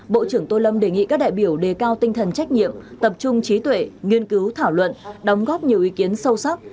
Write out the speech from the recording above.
bộ trưởng tô lâm đề nghị các đại biểu đề cao tinh thần trách nhiệm tập trung trí tuệ nghiên cứu thảo luận đóng góp nhiều ý kiến sâu sắc